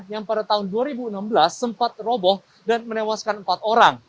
yang pada tahun dua ribu enam belas sempat roboh dan menewaskan empat orang